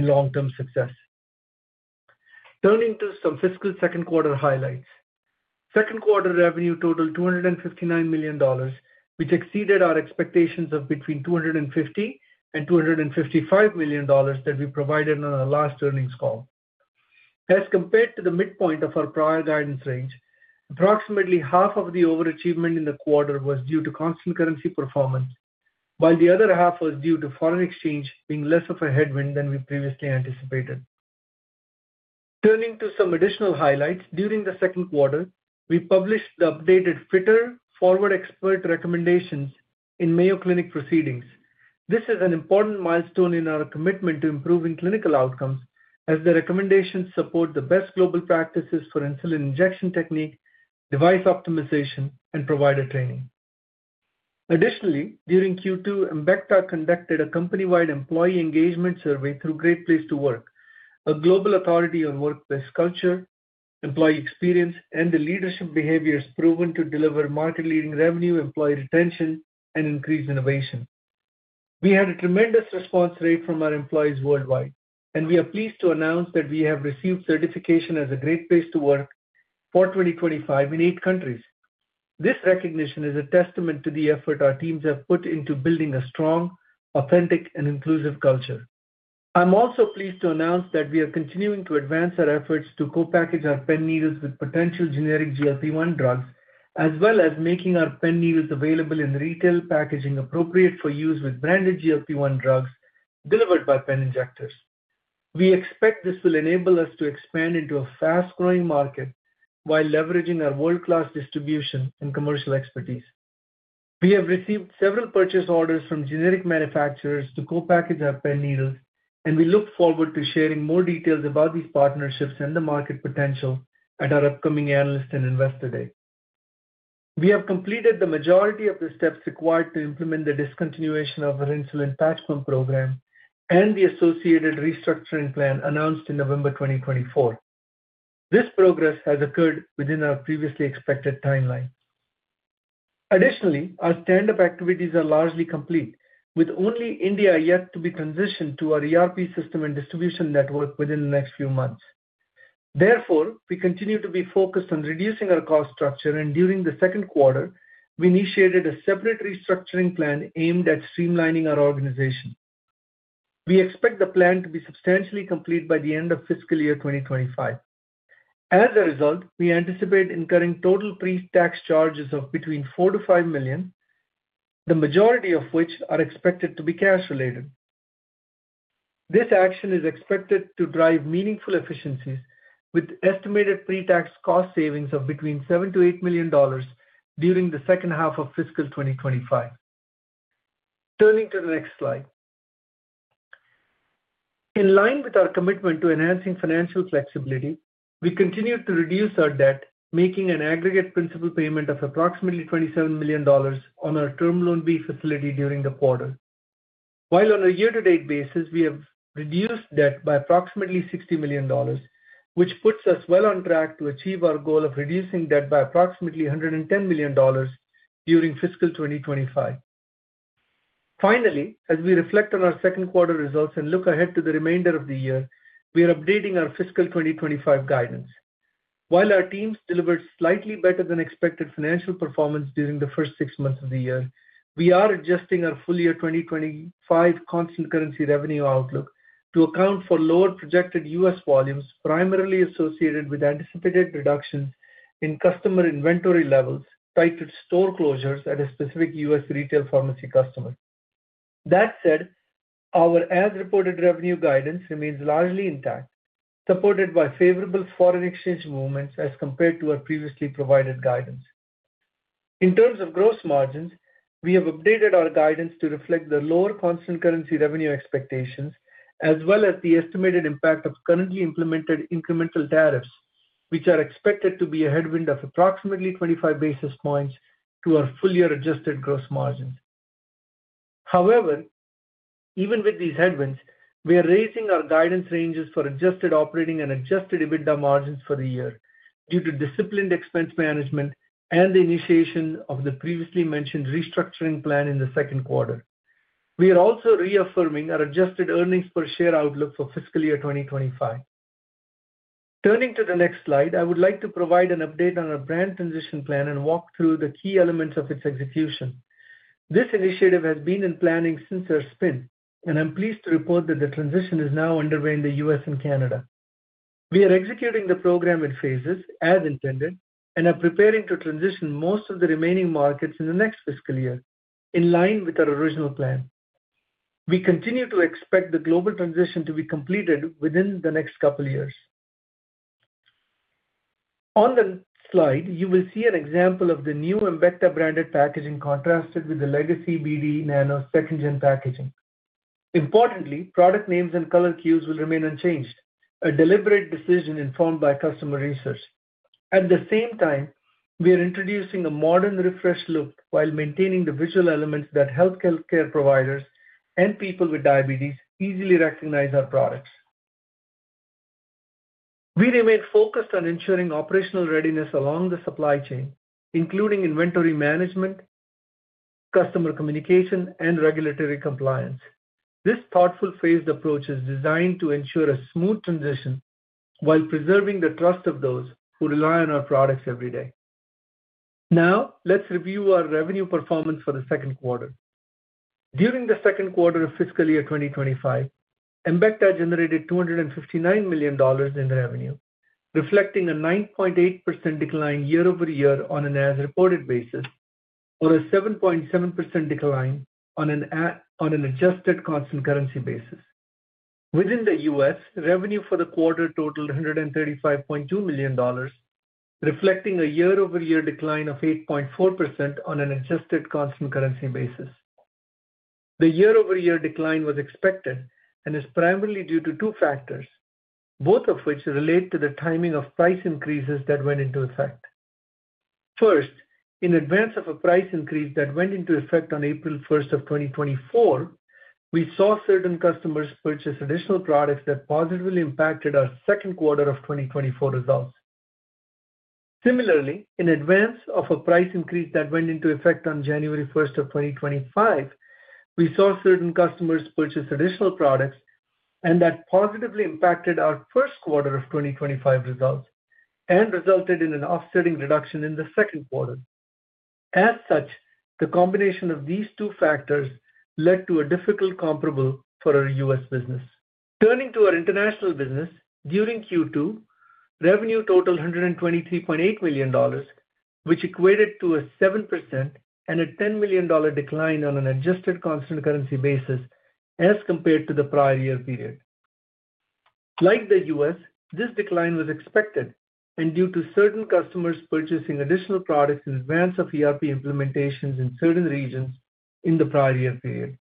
Long-term success. Turning to some fiscal second-quarter highlights: second-quarter revenue totaled $259 million, which exceeded our expectations of between $250 million and $255 million that we provided on our last earnings call. As compared to the midpoint of our prior guidance range, approximately half of the overachievement in the quarter was due to constant currency performance, while the other half was due to foreign exchange being less of a headwind than we previously anticipated. Turning to some additional highlights: during the second quarter, we published the updated FITR Forward Expert Recommendations in Mayo Clinic Proceedings. This is an important milestone in our commitment to improving clinical outcomes, as the recommendations support the best global practices for insulin injection technique, device optimization, and provider training. Additionally, during Q2, Embecta conducted a company-wide employee engagement survey through Great Place to Work, a global authority on workplace culture, employee experience, and the leadership behaviors proven to deliver market-leading revenue, employee retention, and increased innovation. We had a tremendous response rate from our employees worldwide, and we are pleased to announce that we have received certification as a Great Place to Work for 2025 in eight countries. This recognition is a testament to the effort our teams have put into building a strong, authentic, and inclusive culture. I'm also pleased to announce that we are continuing to advance our efforts to co-package our pen needles with potential generic GLP-1 drugs, as well as making our pen needles available in retail packaging appropriate for use with branded GLP-1 drugs delivered by pen injectors. We expect this will enable us to expand into a fast-growing market while leveraging our world-class distribution and commercial expertise. We have received several purchase orders from generic manufacturers to co-package our pen needles, and we look forward to sharing more details about these partnerships and the market potential at our upcoming Analysts and Investor Day. We have completed the majority of the steps required to implement the discontinuation of our insulin patch pump program and the associated restructuring plan announced in November 2024. This progress has occurred within our previously expected timeline. Additionally, our stand-up activities are largely complete, with only India yet to be transitioned to our ERP system and distribution network within the next few months. Therefore, we continue to be focused on reducing our cost structure, and during the second quarter, we initiated a separate restructuring plan aimed at streamlining our organization. We expect the plan to be substantially complete by the end of fiscal year 2025. As a result, we anticipate incurring total pre-tax charges of between $4-$5 million, the majority of which are expected to be cash-related. This action is expected to drive meaningful efficiencies, with estimated pre-tax cost savings of between $7-$8 million during the second half of fiscal 2025. Turning to the next slide. In line with our commitment to enhancing financial flexibility, we continue to reduce our debt, making an aggregate principal payment of approximately $27 million on our Term Loan B facility during the quarter. While on a year-to-date basis, we have reduced debt by approximately $60 million, which puts us well on track to achieve our goal of reducing debt by approximately $110 million during fiscal 2025. Finally, as we reflect on our second quarter results and look ahead to the remainder of the year, we are updating our fiscal 2025 guidance. While our teams delivered slightly better than expected financial performance during the first six months of the year, we are adjusting our full year 2025 constant currency revenue outlook to account for lower projected U.S. volumes primarily associated with anticipated reductions in customer inventory levels tied to store closures at a specific U.S. retail pharmacy customer. That said, our as-reported revenue guidance remains largely intact, supported by favorable foreign exchange movements as compared to our previously provided guidance. In terms of gross margins, we have updated our guidance to reflect the lower constant currency revenue expectations, as well as the estimated impact of currently implemented incremental tariffs, which are expected to be a headwind of approximately 25 basis points to our full year adjusted gross margins. However, even with these headwinds, we are raising our guidance ranges for adjusted operating and adjusted EBITDA margins for the year due to disciplined expense management and the initiation of the previously mentioned restructuring plan in the second quarter. We are also reaffirming our adjusted earnings per share outlook for fiscal year 2025. Turning to the next slide, I would like to provide an update on our brand transition plan and walk through the key elements of its execution. This initiative has been in planning since our spin, and I'm pleased to report that the transition is now underway in the U.S. and Canada. We are executing the program in phases, as intended, and are preparing to transition most of the remaining markets in the next fiscal year in line with our original plan. We continue to expect the global transition to be completed within the next couple of years. On the slide, you will see an example of the new Embecta branded packaging contrasted with the legacy BD Nano second-gen packaging. Importantly, product names and color cues will remain unchanged, a deliberate decision informed by customer research. At the same time, we are introducing a modern refresh look while maintaining the visual elements that healthcare providers and people with diabetes easily recognize our products. We remain focused on ensuring operational readiness along the supply chain, including inventory management, customer communication, and regulatory compliance. This thoughtful phased approach is designed to ensure a smooth transition while preserving the trust of those who rely on our products every day. Now, let's review our revenue performance for the second quarter. During the second quarter of fiscal year 2025, Embecta generated $259 million in revenue, reflecting a 9.8% decline year over year on an as-reported basis or a 7.7% decline on an adjusted constant currency basis. Within the U.S., revenue for the quarter totaled $135.2 million, reflecting a year-over-year decline of 8.4% on an adjusted constant currency basis. The year-over-year decline was expected and is primarily due to two factors, both of which relate to the timing of price increases that went into effect. First, in advance of a price increase that went into effect on April 1st of 2024, we saw certain customers purchase additional products that positively impacted our second quarter of 2024 results. Similarly, in advance of a price increase that went into effect on January 1st of 2025, we saw certain customers purchase additional products and that positively impacted our first quarter of 2025 results and resulted in an offsetting reduction in the second quarter. As such, the combination of these two factors led to a difficult comparable for our U.S. business. Turning to our international business, during Q2, revenue totaled $123.8 million, which equated to a 7% and a $10 million decline on an adjusted constant currency basis as compared to the prior year period. Like the U.S., this decline was expected and due to certain customers purchasing additional products in advance of ERP implementations in certain regions in the prior year period.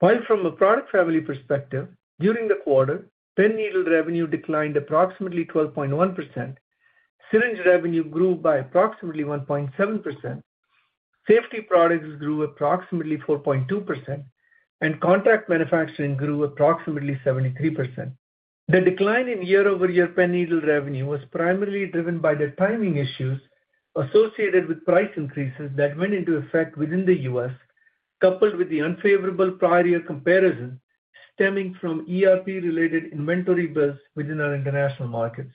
While from a product family perspective, during the quarter, pen needle revenue declined approximately 12.1%, syringe revenue grew by approximately 1.7%, safety products grew approximately 4.2%, and contract manufacturing grew approximately 73%. The decline in year-over-year pen needle revenue was primarily driven by the timing issues associated with price increases that went into effect within the U.S., coupled with the unfavorable prior year comparison stemming from ERP-related inventory builds within our international markets.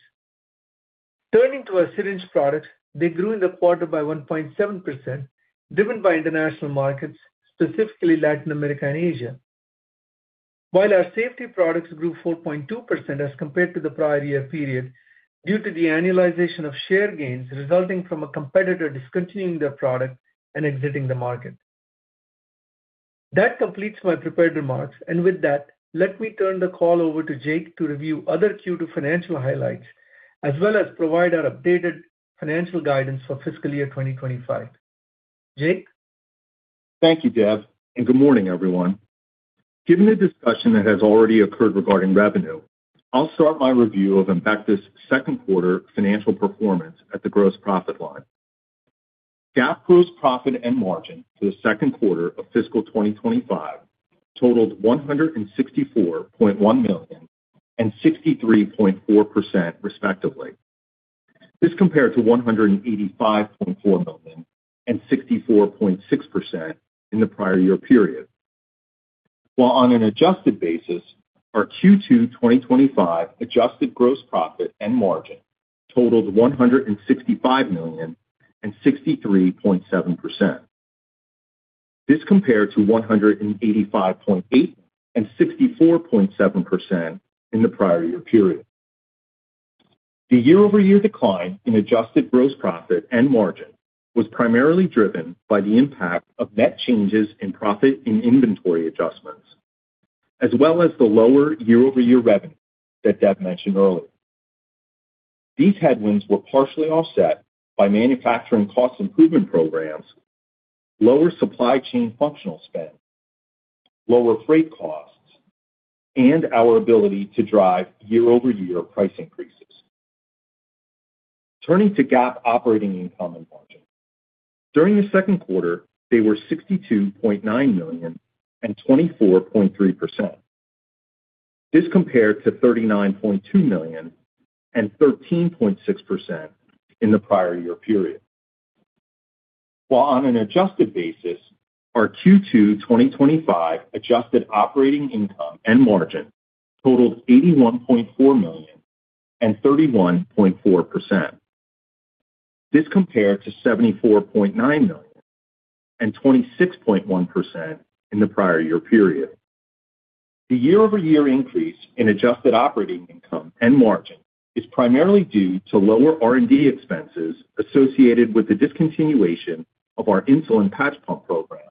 Turning to our syringe products, they grew in the quarter by 1.7%, driven by international markets, specifically Latin America and Asia, while our safety products grew 4.2% as compared to the prior year period due to the annualization of share gains resulting from a competitor discontinuing their product and exiting the market. That completes my prepared remarks, and with that, let me turn the call over to Jake to review other Q2 financial highlights, as well as provide our updated financial guidance for fiscal year 2025. Jake? Thank you, Dev, and good morning, everyone. Given the discussion that has already occurred regarding revenue, I'll start my review of Embecta's second quarter financial performance at the gross profit line. GAAP gross profit and margin for the second quarter of fiscal 2025 totaled $164.1 million and 63.4%, respectively. This compared to $185.4 million and 64.6% in the prior year period. While on an adjusted basis, our Q2 2025 adjusted gross profit and margin totaled $165.6 million and 63.7%. This compared to $185.6 million and 64.7% in the prior year period. The year-over-year decline in adjusted gross profit and margin was primarily driven by the impact of net changes in profit and inventory adjustments, as well as the lower year-over-year revenue that Dev mentioned earlier. These headwinds were partially offset by manufacturing cost improvement programs, lower supply chain functional spend, lower freight costs, and our ability to drive year-over-year price increases. Turning to GAAP operating income and margin. During the second quarter, they were $62.9 million and 24.3%. This compared to $39.2 million and 13.6% in the prior year period. While on an adjusted basis, our Q2 2025 adjusted operating income and margin totaled $81.4 million and 31.4%. This compared to $74.9 million and 26.1% in the prior year period. The year-over-year increase in adjusted operating income and margin is primarily due to lower R&D expenses associated with the discontinuation of our insulin patch pump program,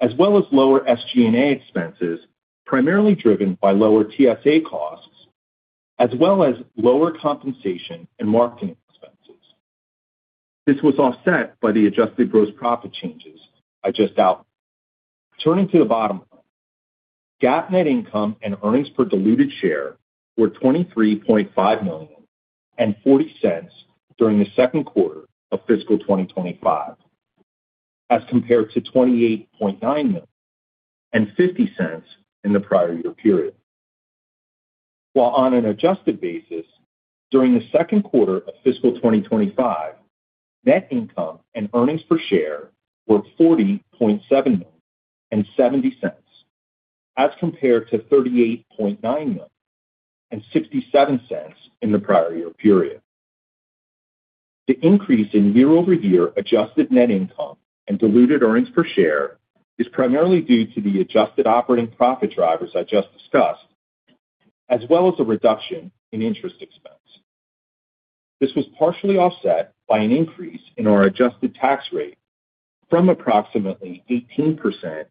as well as lower SG&A expenses primarily driven by lower TSA costs, as well as lower compensation and marketing expenses. This was offset by the adjusted gross profit changes I just outlined. Turning to the bottom line, GAAP net income and earnings per diluted share were $23.5 million and $0.40 during the second quarter of fiscal 2025, as compared to $28.9 million and $0.50 in the prior year period. While on an adjusted basis, during the second quarter of fiscal 2025, net income and earnings per share were $40.7 million and $0.70, as compared to $38.9 million and $0.67 in the prior year period. The increase in year-over-year adjusted net income and diluted earnings per share is primarily due to the adjusted operating profit drivers I just discussed, as well as a reduction in interest expense. This was partially offset by an increase in our adjusted tax rate from approximately 18%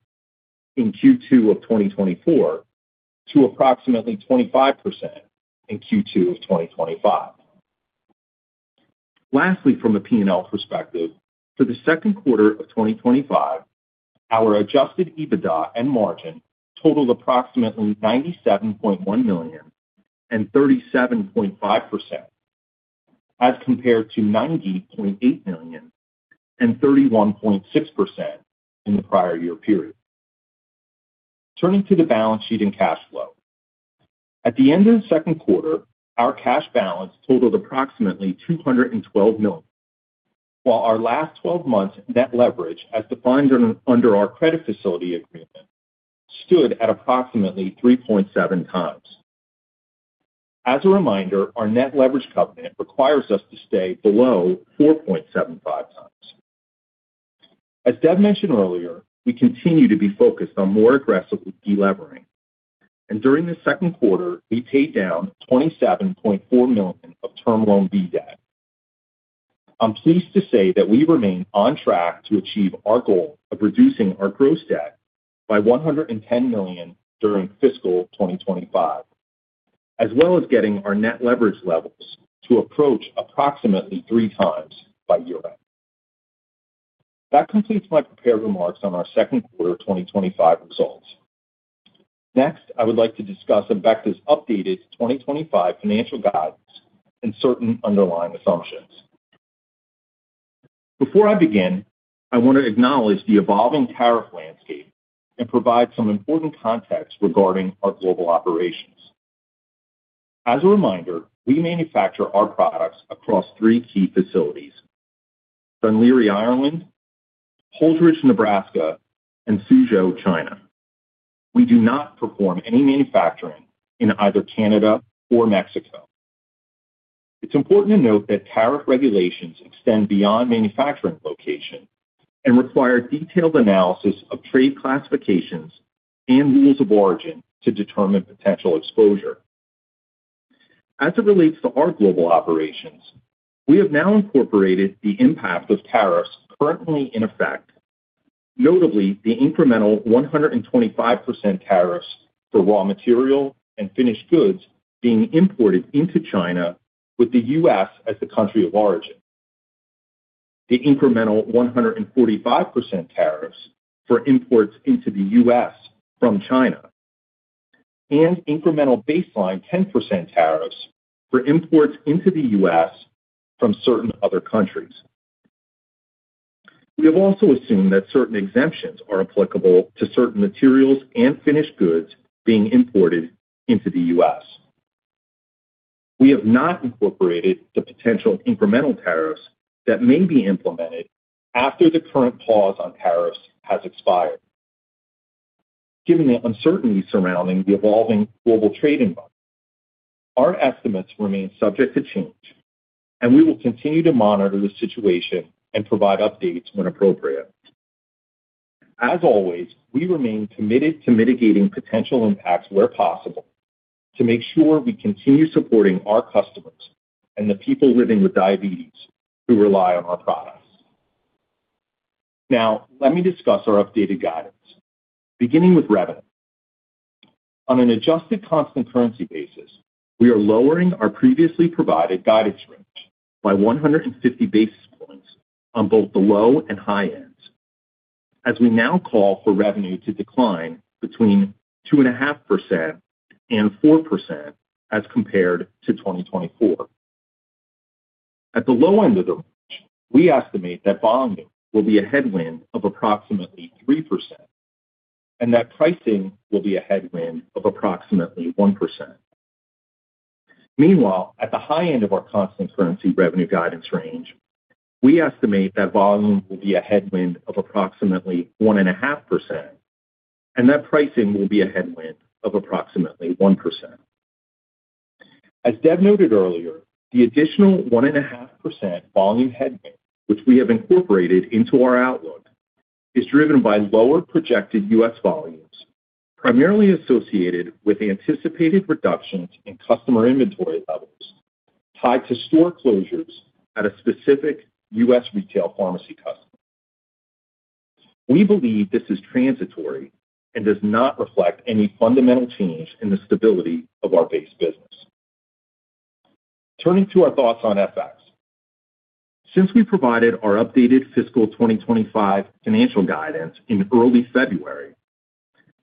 in Q2 of 2024 to approximately 25% in Q2 of 2025. Lastly, from a P&L perspective, for the second quarter of 2025, our adjusted EBITDA and margin totaled approximately $97.1 million and 37.5%, as compared to $90.8 million and 31.6% in the prior year period. Turning to the balance sheet and cash flow. At the end of the second quarter, our cash balance totaled approximately $212 million, while our last 12 months' net leverage, as defined under our credit facility agreement, stood at approximately 3.7 times. As a reminder, our net leverage covenant requires us to stay below 4.75 times. As Dev mentioned earlier, we continue to be focused on more aggressive delivering, and during the second quarter, we paid down $27.4 million of Term Loan B debt. I'm pleased to say that we remain on track to achieve our goal of reducing our gross debt by $110 million during fiscal 2025, as well as getting our net leverage levels to approach approximately three times by year-end. That completes my prepared remarks on our second quarter 2025 results. Next, I would like to discuss Embecta's updated 2025 financial guidance and certain underlying assumptions. Before I begin, I want to acknowledge the evolving tariff landscape and provide some important context regarding our global operations. As a reminder, we manufacture our products across three key facilities: Dun Laoghaire, Ireland; Holdrege, Nebraska; and Suzhou, China. We do not perform any manufacturing in either Canada or Mexico. It's important to note that tariff regulations extend beyond manufacturing location and require detailed analysis of trade classifications and rules of origin to determine potential exposure. As it relates to our global operations, we have now incorporated the impact of tariffs currently in effect, notably the incremental 125% tariffs for raw material and finished goods being imported into China with the U.S. as the country of origin, the incremental 145% tariffs for imports into the U.S. from China, and incremental baseline 10% tariffs for imports into the U.S. from certain other countries. We have also assumed that certain exemptions are applicable to certain materials and finished goods being imported into the U.S. We have not incorporated the potential incremental tariffs that may be implemented after the current pause on tariffs has expired. Given the uncertainty surrounding the evolving global trade environment, our estimates remain subject to change, and we will continue to monitor the situation and provide updates when appropriate. As always, we remain committed to mitigating potential impacts where possible to make sure we continue supporting our customers and the people living with diabetes who rely on our products. Now, let me discuss our updated guidance, beginning with revenue. On an adjusted constant currency basis, we are lowering our previously provided guidance range by 150 basis points on both the low and high ends, as we now call for revenue to decline between 2.5% and 4% as compared to 2024. At the low end, we estimate that volume will be a headwind of approximately 3% and that pricing will be a headwind of approximately 1%. Meanwhile, at the high end of our constant currency revenue guidance range, we estimate that volume will be a headwind of approximately 1.5% and that pricing will be a headwind of approximately 1%. As Dev noted earlier, the additional 1.5% volume headwind, which we have incorporated into our outlook, is driven by lower projected U.S. volumes primarily associated with anticipated reductions in customer inventory levels tied to store closures at a specific U.S. retail pharmacy customer. We believe this is transitory and does not reflect any fundamental change in the stability of our base business. Turning to our thoughts on FX. Since we provided our updated fiscal 2025 financial guidance in early February,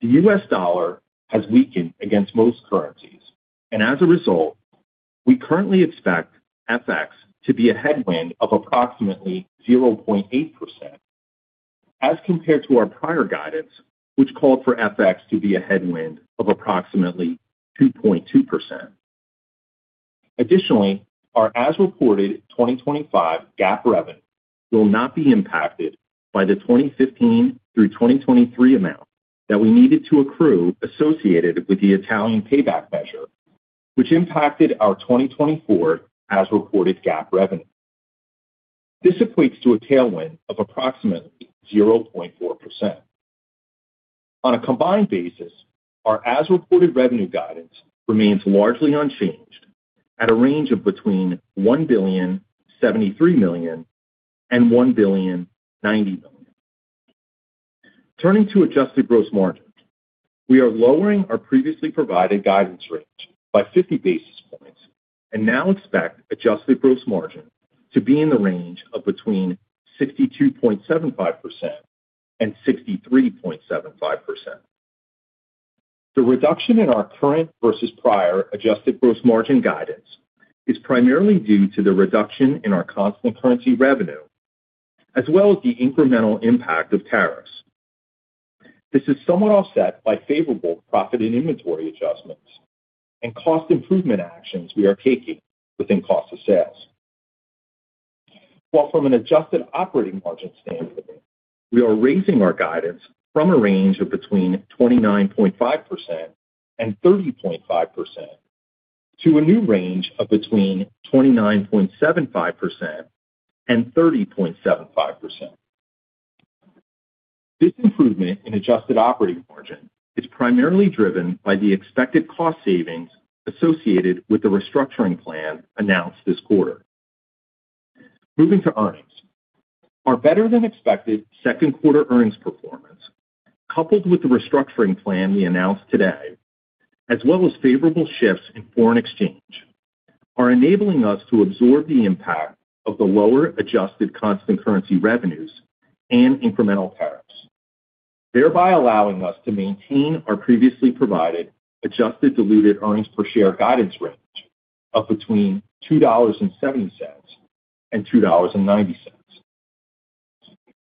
the U.S. dollar has weakened against most currencies, and as a result, we currently expect FX to be a headwind of approximately 0.8%, as compared to our prior guidance, which called for FX to be a headwind of approximately 2.2%. Additionally, our as-reported 2025 GAAP revenue will not be impacted by the 2015 through 2023 amount that we needed to accrue associated with the Italian payback measure, which impacted our 2024 as-reported GAAP revenue. This equates to a tailwind of approximately 0.4%. On a combined basis, our as-reported revenue guidance remains largely unchanged at a range of between $1.73 billion and $1.90 billion. Turning to adjusted gross margin, we are lowering our previously provided guidance range by 50 basis points and now expect adjusted gross margin to be in the range of between 62.75% and 63.75%. The reduction in our current versus prior adjusted gross margin guidance is primarily due to the reduction in our constant currency revenue, as well as the incremental impact of tariffs. This is somewhat offset by favorable profit and inventory adjustments and cost improvement actions we are taking within cost of sales. While from an adjusted operating margin standpoint, we are raising our guidance from a range of between 29.5% and 30.5% to a new range of between 29.75% and 30.75%. This improvement in adjusted operating margin is primarily driven by the expected cost savings associated with the restructuring plan announced this quarter. Moving to earnings. Our better-than-expected second quarter earnings performance, coupled with the restructuring plan we announced today, as well as favorable shifts in foreign exchange, are enabling us to absorb the impact of the lower adjusted constant currency revenues and incremental tariffs, thereby allowing us to maintain our previously provided adjusted diluted earnings per share guidance range of between $2.70 and $2.90.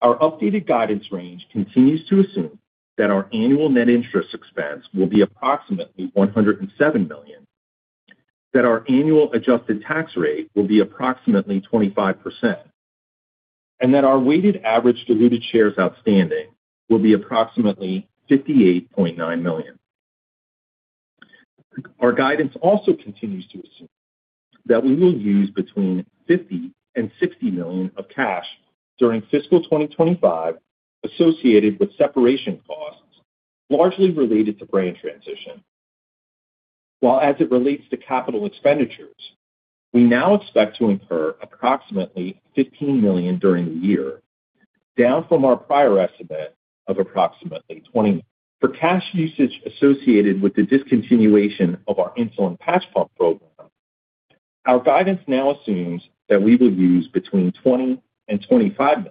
Our updated guidance range continues to assume that our annual net interest expense will be approximately $107 million, that our annual adjusted tax rate will be approximately 25%, and that our weighted average diluted shares outstanding will be approximately 58.9 million. Our guidance also continues to assume that we will use between $50 million and $60 million of cash during fiscal 2025 associated with separation costs largely related to brand transition. While as it relates to capital expenditures, we now expect to incur approximately $15 million during the year, down from our prior estimate of approximately $20 million. For cash usage associated with the discontinuation of our insulin patch pump program, our guidance now assumes that we will use between $20 million and $25 million,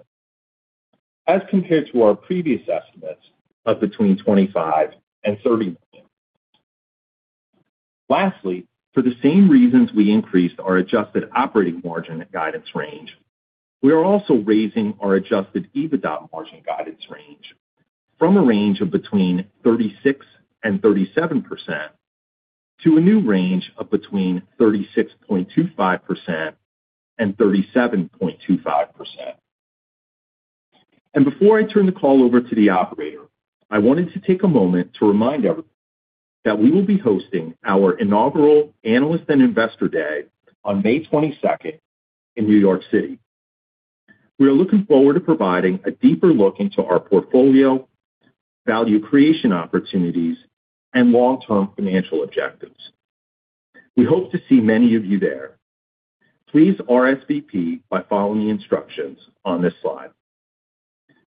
as compared to our previous estimates of between $25 million and $30 million. Lastly, for the same reasons we increased our adjusted operating margin guidance range, we are also raising our adjusted EBITDA margin guidance range from a range of between 36% and 37% to a new range of between 36.25% and 37.25%. Before I turn the call over to the operator, I wanted to take a moment to remind everyone that we will be hosting our inaugural Analysts and Investor Day on May 22nd in New York City. We are looking forward to providing a deeper look into our portfolio, value creation opportunities, and long-term financial objectives. We hope to see many of you there. Please RSVP by following the instructions on this slide.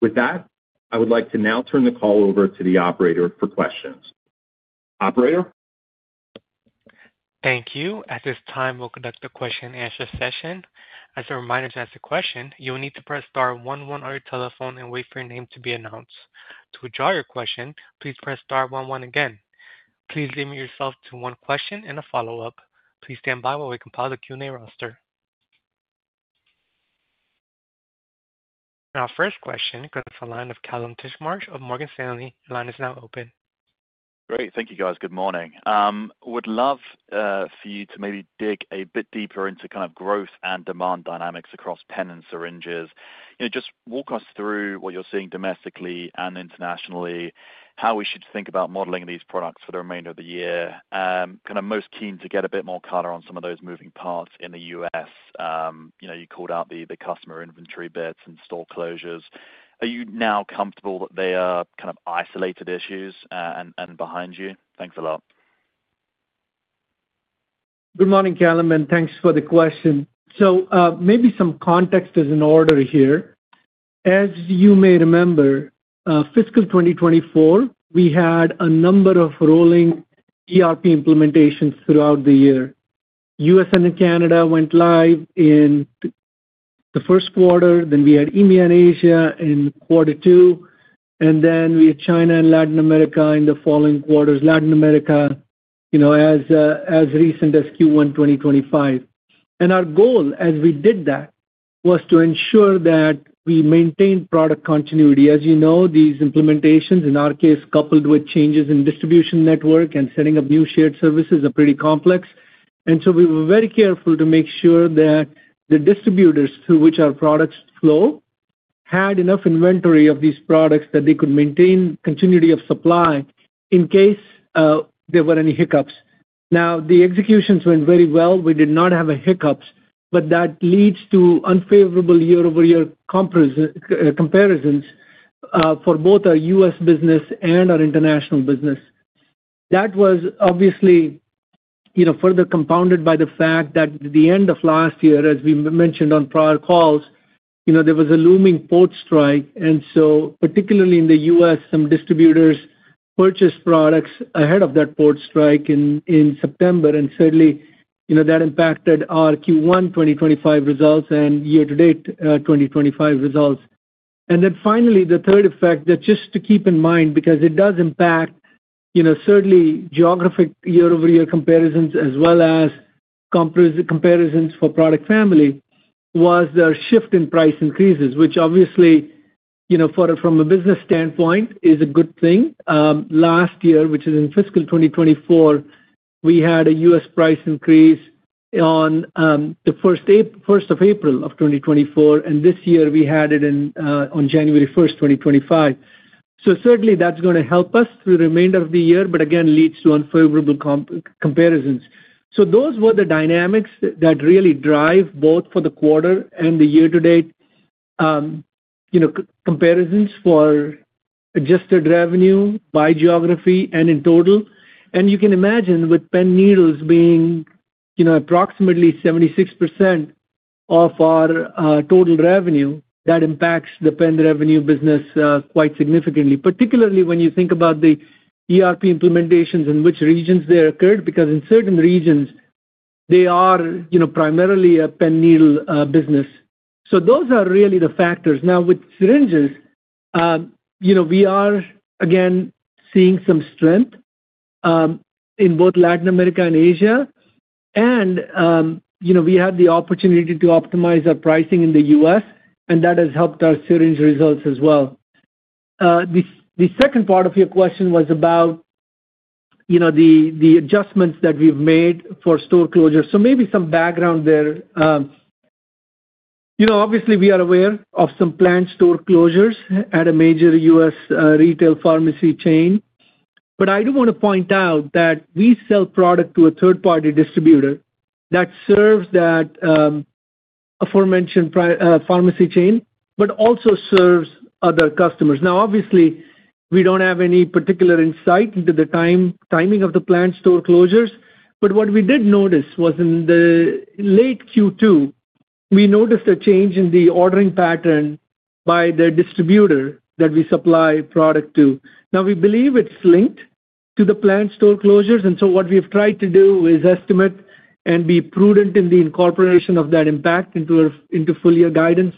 With that, I would like to now turn the call over to the operator for questions. Operator. Thank you. At this time, we'll conduct the question-and-answer session. As a reminder to ask a question, you will need to press star 11 on your telephone and wait for your name to be announced. To withdraw your question, please press star 11 again. Please limit yourself to one question and a follow-up. Please stand by while we compile the Q&A roster. Our first question, Kallum Titchmarsh of Morgan Stanley. Your line is now open. Great. Thank you, guys. Good morning. Would love for you to maybe dig a bit deeper into kind of growth and demand dynamics across pen and syringes. Just walk us through what you're seeing domestically and internationally, how we should think about modeling these products for the remainder of the year. Kind of most keen to get a bit more color on some of those moving parts in the U.S. You called out the customer inventory bits and store closures. Are you now comfortable that they are kind of isolated issues and behind you? Thanks a lot. Good morning, Kallum, and thanks for the question. Maybe some context is in order here. As you may remember, fiscal 2024, we had a number of rolling ERP implementations throughout the year. U.S. and Canada went live in the first quarter. Then we had India and Asia in quarter two. Then we had China and Latin America in the following quarters, Latin America as recent as Q1 2025. Our goal as we did that was to ensure that we maintained product continuity. As you know, these implementations, in our case, coupled with changes in distribution network and setting up new shared services, are pretty complex. We were very careful to make sure that the distributors through which our products flow had enough inventory of these products that they could maintain continuity of supply in case there were any hiccups. The executions went very well. We did not have hiccups, but that leads to unfavorable year-over-year comparisons for both our U.S. business and our international business. That was obviously further compounded by the fact that at the end of last year, as we mentioned on prior calls, there was a looming port strike. Particularly in the U.S., some distributors purchased products ahead of that port strike in September. Certainly, that impacted our Q1 2025 results and year-to-date 2025 results. Finally, the third effect that just to keep in mind because it does impact certainly geographic year-over-year comparisons as well as comparisons for product family was the shift in price increases, which obviously, from a business standpoint, is a good thing. Last year, which is in fiscal 2024, we had a U.S. price increase on the 1st of April of 2024, and this year we had it on January 1st, 2025. Certainly, that's going to help us through the remainder of the year, but again, leads to unfavorable comparisons. Those were the dynamics that really drive both for the quarter and the year-to-date comparisons for adjusted revenue by geography and in total. You can imagine with pen needles being approximately 76% of our total revenue, that impacts the pen revenue business quite significantly, particularly when you think about the ERP implementations and which regions they occurred because in certain regions, they are primarily a pen needle business. Those are really the factors. Now, with syringes, we are, again, seeing some strength in both Latin America and Asia. We had the opportunity to optimize our pricing in the U.S., and that has helped our syringe results as well. The second part of your question was about the adjustments that we've made for store closures. Maybe some background there. Obviously, we are aware of some planned store closures at a major U.S. retail pharmacy chain. I do want to point out that we sell product to a third-party distributor that serves that aforementioned pharmacy chain, but also serves other customers. Obviously, we do not have any particular insight into the timing of the planned store closures. What we did notice was in late Q2, we noticed a change in the ordering pattern by the distributor that we supply product to. We believe it is linked to the planned store closures. What we have tried to do is estimate and be prudent in the incorporation of that impact into full-year guidance.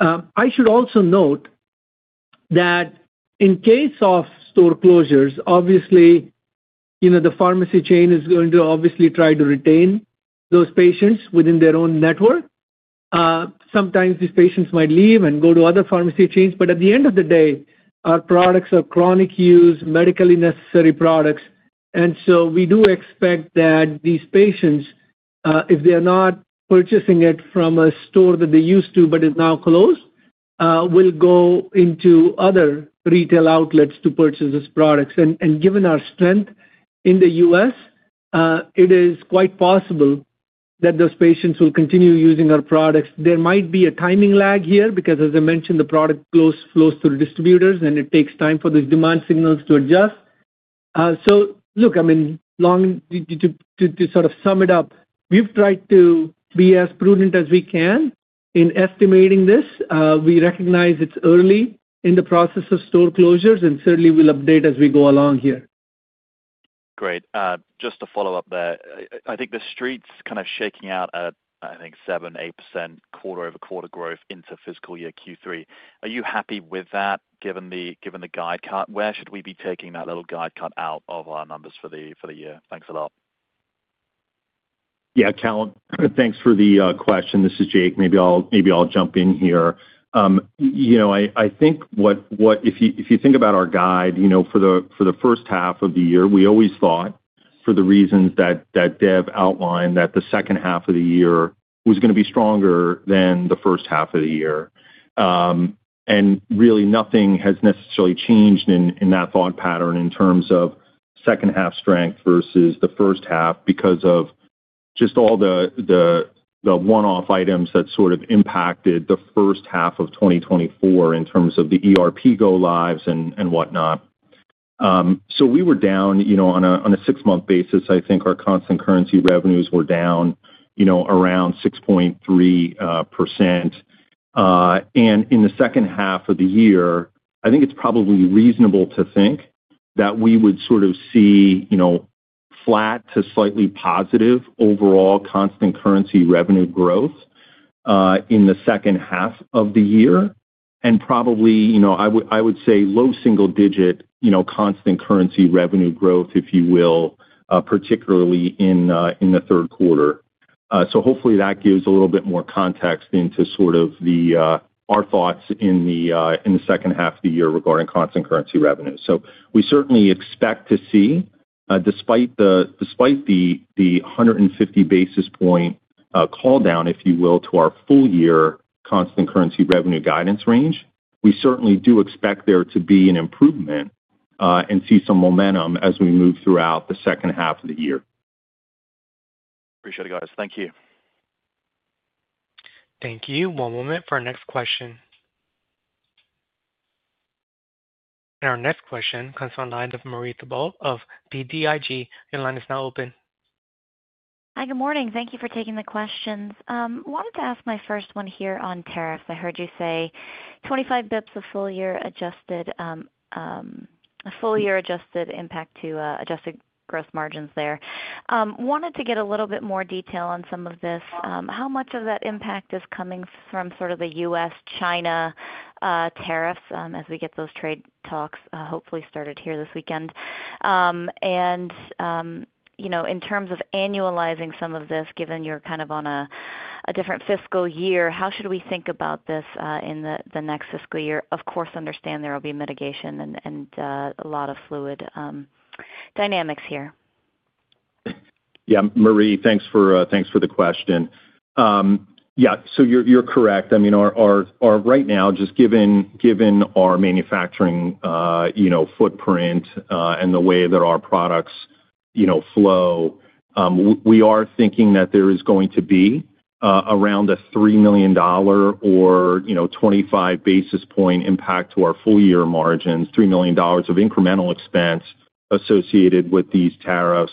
I should also note that in case of store closures, the pharmacy chain is going to try to retain those patients within their own network. Sometimes these patients might leave and go to other pharmacy chains. At the end of the day, our products are chronic use, medically necessary products. We do expect that these patients, if they're not purchasing it from a store that they used to but is now closed, will go into other retail outlets to purchase these products. Given our strength in the U.S., it is quite possible that those patients will continue using our products. There might be a timing lag here because, as I mentioned, the product flows through distributors, and it takes time for these demand signals to adjust. Look, I mean, long to sort of sum it up, we've tried to be as prudent as we can in estimating this. We recognize it's early in the process of store closures, and certainly, we'll update as we go along here. Great. Just to follow up there, I think the street's kind of shaking out at, I think, 7-8% quarter-over-quarter growth into fiscal year Q3. Are you happy with that given the guide cut? Where should we be taking that little guide cut out of our numbers for the year? Thanks a lot. Yeah, Kallum, thanks for the question. This is Jake. Maybe I'll jump in here. I think if you think about our guide for the first half of the year, we always thought for the reasons that Dev outlined that the second half of the year was going to be stronger than the first half of the year. Really, nothing has necessarily changed in that thought pattern in terms of second-half strength versus the first half because of just all the one-off items that sort of impacted the first half of 2024 in terms of the ERP go-lives and whatnot. We were down on a six-month basis. I think our constant currency revenues were down around 6.3%. In the second half of the year, I think it is probably reasonable to think that we would sort of see flat to slightly positive overall constant currency revenue growth in the second half of the year. I would say low single-digit constant currency revenue growth, if you will, particularly in the third quarter. Hopefully, that gives a little bit more context into our thoughts in the second half of the year regarding constant currency revenue. We certainly expect to see, despite the 150 basis point call down, if you will, to our full-year constant currency revenue guidance range, we certainly do expect there to be an improvement and see some momentum as we move throughout the second half of the year. Appreciate it, guys. Thank you. Thank you. One moment for our next question. Our next question comes from Marie Thibault of BTIG Your line is now open. Hi, good morning. Thank you for taking the questions. Wanted to ask my first one here on tariffs. I heard you say 25 basis points of full-year adjusted impact to adjusted gross margins there. Wanted to get a little bit more detail on some of this. How much of that impact is coming from sort of the U.S.-China tariffs as we get those trade talks hopefully started here this weekend? In terms of annualizing some of this, given you're kind of on a different fiscal year, how should we think about this in the next fiscal year? Of course, understand there will be mitigation and a lot of fluid dynamics here. Yeah, Marie, thanks for the question. Yeah, you're correct. I mean, right now, just given our manufacturing footprint and the way that our products flow, we are thinking that there is going to be around a $3 million or 25 basis point impact to our full-year margins, $3 million of incremental expense associated with these tariffs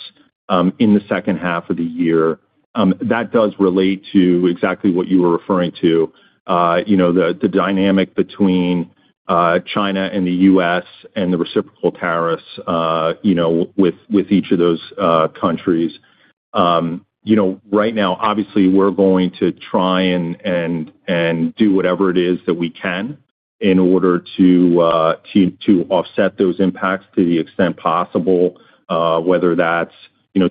in the second half of the year. That does relate to exactly what you were referring to, the dynamic between China and the U.S. and the reciprocal tariffs with each of those countries. Right now, obviously, we're going to try and do whatever it is that we can in order to offset those impacts to the extent possible, whether that's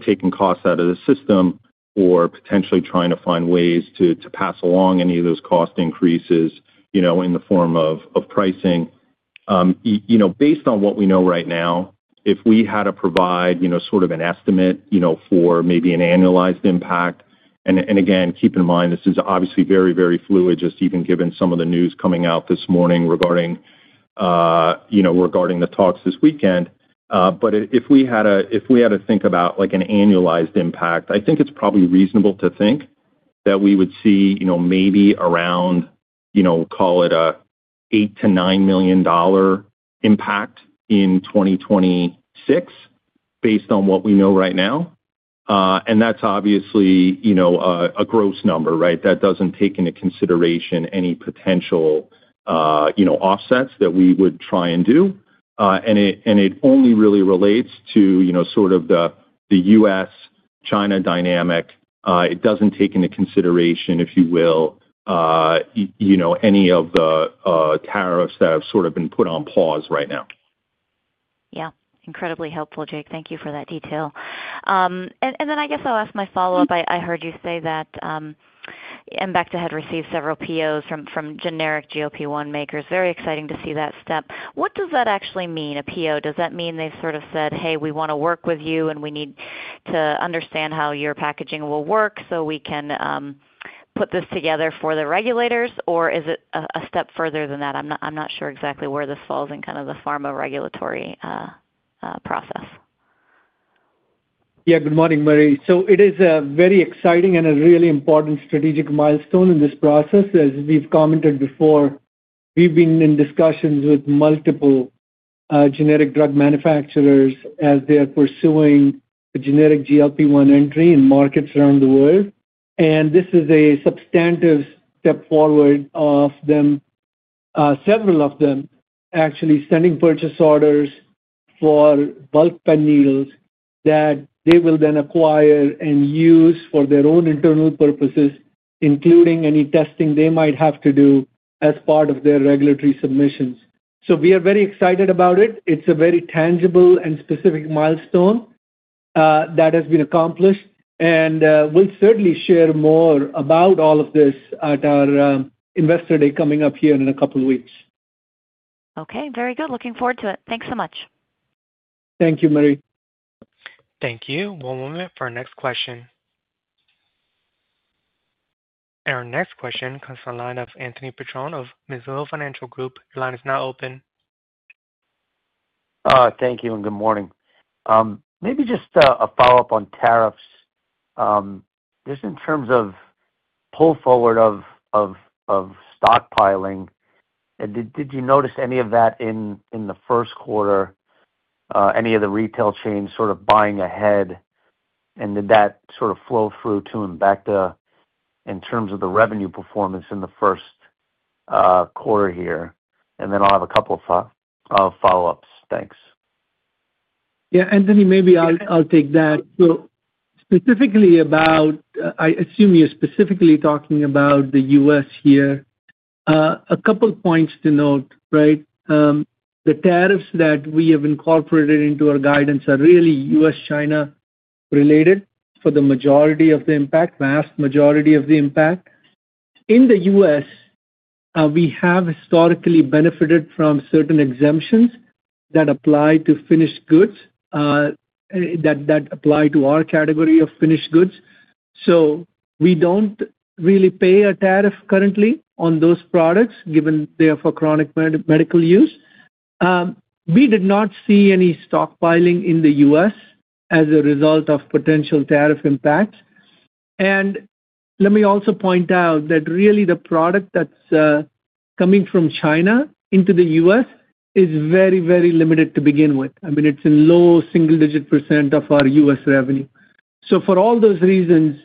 taking costs out of the system or potentially trying to find ways to pass along any of those cost increases in the form of pricing. Based on what we know right now, if we had to provide sort of an estimate for maybe an annualized impact—and again, keep in mind, this is obviously very, very fluid, just even given some of the news coming out this morning regarding the talks this weekend—but if we had to think about an annualized impact, I think it's probably reasonable to think that we would see maybe around, call it a $8-$9 million impact in 2026 based on what we know right now. And that's obviously a gross number, right? That does not take into consideration any potential offsets that we would try and do. It only really relates to sort of the U.S.-China dynamic. It does not take into consideration, if you will, any of the tariffs that have sort of been put on pause right now. Yeah. Incredibly helpful, Jake. Thank you for that detail. I guess I will ask my follow-up. I heard you say that Embecta had received several POs from generic GLP-1 makers. Very exciting to see that step. What does that actually mean, a PO? Does that mean they have sort of said, "Hey, we want to work with you, and we need to understand how your packaging will work so we can put this together for the regulators?" Or is it a step further than that? I am not sure exactly where this falls in kind of the pharma regulatory process. Yeah, good morning, Marie. It is a very exciting and a really important strategic milestone in this process. As we've commented before, we've been in discussions with multiple generic drug manufacturers as they are pursuing the generic GLP-1 entry in markets around the world. This is a substantive step forward of them, several of them, actually sending purchase orders for bulk pen needles that they will then acquire and use for their own internal purposes, including any testing they might have to do as part of their regulatory submissions. We are very excited about it. It's a very tangible and specific milestone that has been accomplished. We'll certainly share more about all of this at our Investor Day coming up here in a couple of weeks. Okay. Very good. Looking forward to it. Thanks so much. Thank you, Marie. Thank you. One moment for our next question. Our next question comes from Anthony Petrone of Mizuho Financial Group. Your line is now open. Thank you and good morning. Maybe just a follow-up on tariffs. Just in terms of pull forward of stockpiling, did you notice any of that in the first quarter, any of the retail chains sort of buying ahead? Did that sort of flow through to Embecta in terms of the revenue performance in the first quarter here? I will have a couple of follow-ups. Thanks. Yeah. Anthony, maybe I will take that. Specifically about, I assume you are specifically talking about the U.S. here. A couple of points to note, right? The tariffs that we have incorporated into our guidance are really U.S.-China related for the majority of the impact, vast majority of the impact. In the U.S., we have historically benefited from certain exemptions that apply to finished goods, that apply to our category of finished goods. We do not really pay a tariff currently on those products given they are for chronic medical use. We did not see any stockpiling in the U.S. as a result of potential tariff impacts. Let me also point out that really the product that is coming from China into the U.S. is very, very limited to begin with. I mean, it is in low single-digit % of our U.S. revenue. For all those reasons,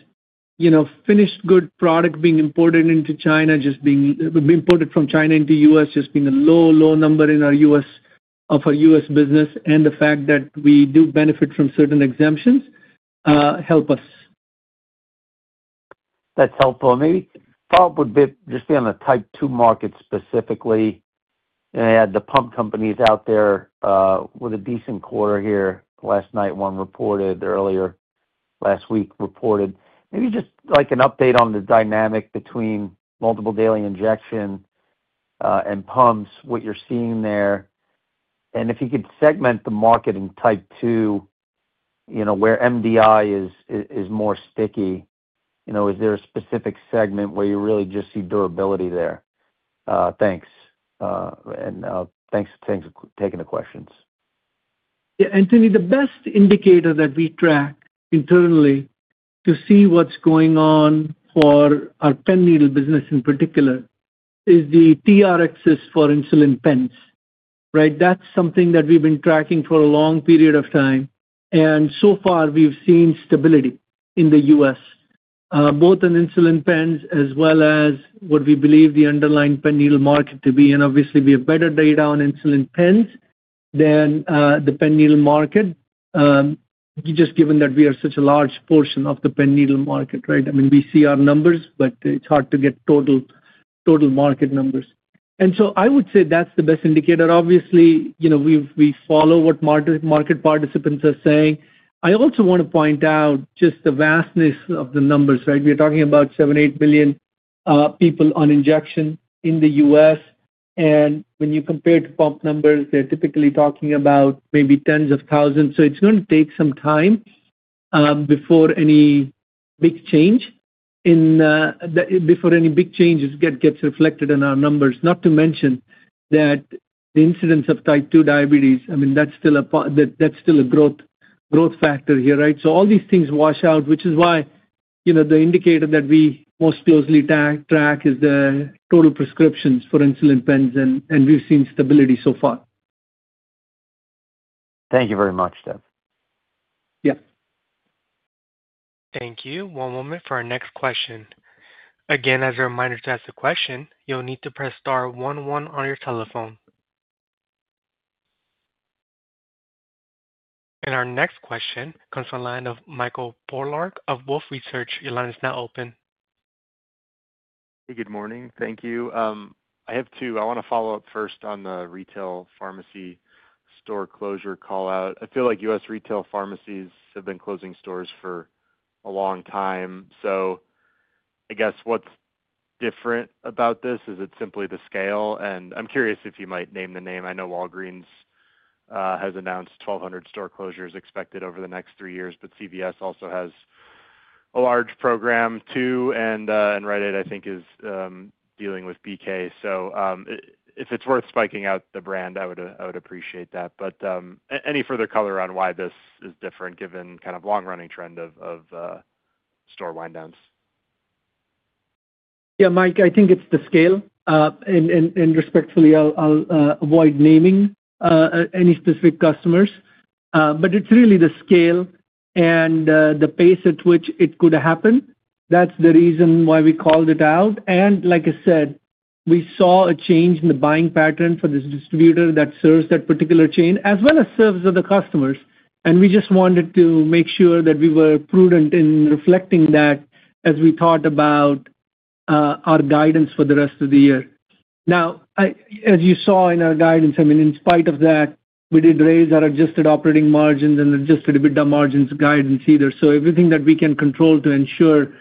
finished good product being imported from China into the U.S. is just a low, low number in our U.S. business, and the fact that we do benefit from certain exemptions helps us. That is helpful. Maybe follow-up would just be on the type two market specifically. The pump companies out there with a decent quarter here. Last night, one reported, earlier last week reported. Maybe just an update on the dynamic between multiple daily injection and pumps, what you're seeing there. If you could segment the market in type two where MDI is more sticky, is there a specific segment where you really just see durability there? Thanks. Thanks for taking the questions. Yeah. Anthony, the best indicator that we track internally to see what's going on for our pen needle business in particular is the TRXs for insulin pens, right? That's something that we've been tracking for a long period of time. So far, we've seen stability in the U.S., both in insulin pens as well as what we believe the underlying pen needle market to be. Obviously, we have better data on insulin pens than the pen needle market, just given that we are such a large portion of the pen needle market, right? I mean, we see our numbers, but it's hard to get total market numbers. I would say that's the best indicator. Obviously, we follow what market participants are saying. I also want to point out just the vastness of the numbers, right? We're talking about 7-8 million people on injection in the U.S. When you compare to pump numbers, they're typically talking about maybe tens of thousands. It's going to take some time before any big change gets reflected in our numbers. Not to mention that the incidence of type 2 diabetes, I mean, that's still a growth factor here, right? So all these things wash out, which is why the indicator that we most closely track is the total prescriptions for insulin pens, and we've seen stability so far. Thank you very much, Dev. Yeah. Thank you. One moment for our next question. Again, as a reminder to ask the question, you'll need to press star 11 on your telephone. Our next question comes from Michael Pollard of Wolfe Research. Your line is now open. Hey, good morning. Thank you. I have two. I want to follow up first on the retail pharmacy store closure call out. I feel like U.S. retail pharmacies have been closing stores for a long time. I guess what's different about this is it's simply the scale. I'm curious if you might name the name. I know Walgreens has announced 1,200 store closures expected over the next three years, but CVS also has a large program too. And Rite Aid, I think, is dealing with BK. So if it's worth spiking out the brand, I would appreciate that. Any further color on why this is different given kind of long-running trend of store windowns? Yeah, Mike, I think it's the scale. Respectfully, I'll avoid naming any specific customers. It's really the scale and the pace at which it could happen. That's the reason why we called it out. Like I said, we saw a change in the buying pattern for this distributor that serves that particular chain as well as serves the customers. We just wanted to make sure that we were prudent in reflecting that as we thought about our guidance for the rest of the year. Now, as you saw in our guidance, I mean, in spite of that, we did raise our adjusted operating margins and adjusted EBITDA margins guidance either. Everything that we can control to ensure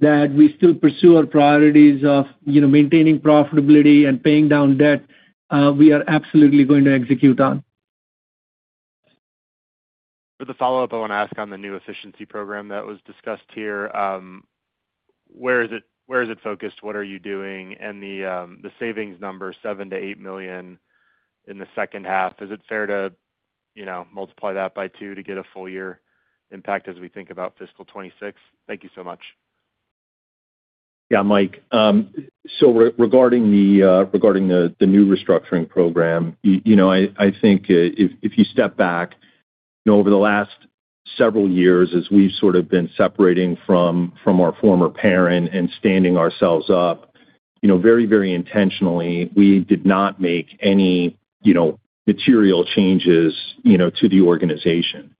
that we still pursue our priorities of maintaining profitability and paying down debt, we are absolutely going to execute on. For the follow-up, I want to ask on the new efficiency program that was discussed here. Where is it focused? What are you doing? And the savings number, $7 million-$8 million in the second half, is it fair to multiply that by two to get a full-year impact as we think about fiscal 2026? Thank you so much. Yeah, Mike. Regarding the new restructuring program, I think if you step back, over the last several years, as we've sort of been separating from our former parent and standing ourselves up very, very intentionally, we did not make any material changes to the organization.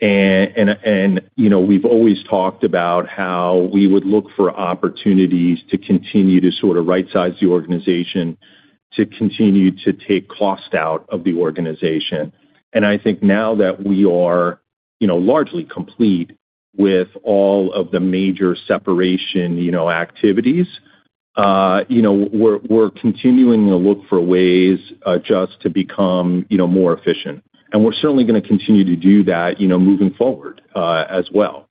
We've always talked about how we would look for opportunities to continue to sort of right-size the organization, to continue to take cost out of the organization. I think now that we are largely complete with all of the major separation activities, we're continuing to look for ways just to become more efficient. We're certainly going to continue to do that moving forward as well.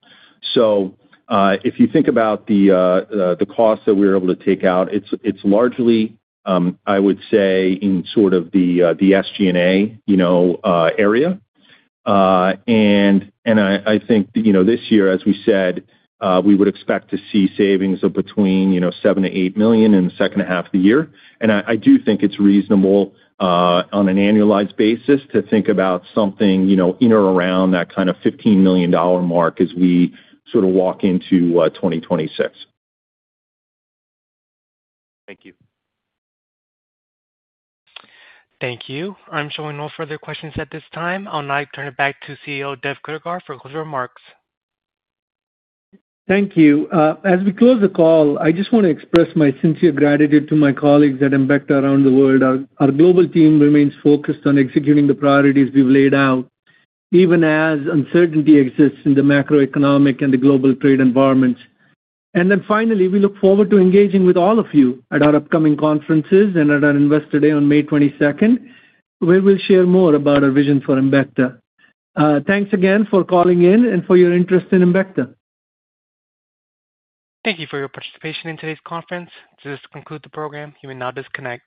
If you think about the cost that we're able to take out, it's largely, I would say, in sort of the SG&A area. I think this year, as we said, we would expect to see savings of between $7 million and $8 million in the second half of the year. I do think it is reasonable on an annualized basis to think about something in or around that kind of $15 million mark as we sort of walk into 2026. Thank you. Thank you. I am showing no further questions at this time. I will now turn it back to CEO Dev for closing remarks. Thank you. As we close the call, I just want to express my sincere gratitude to my colleagues at Embecta around the world. Our global team remains focused on executing the priorities we have laid out, even as uncertainty exists in the macroeconomic and the global trade environments. We look forward to engaging with all of you at our upcoming conferences and at our Investor Day on May 22nd, where we'll share more about our vision for Embecta. Thanks again for calling in and for your interest in Embecta. Thank you for your participation in today's conference. To conclude the program, you may now disconnect.